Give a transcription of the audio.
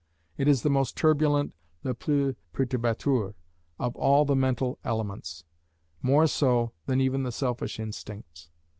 It is the most turbulent "le plus perturbateur," of all the mental elements; more so than even the selfish instincts.